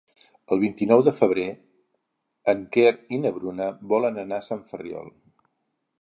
El vint-i-nou de febrer en Quer i na Bruna volen anar a Sant Ferriol.